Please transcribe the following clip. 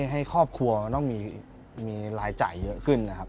ให้ครอบครัวต้องมีลายใจเยอะขึ้น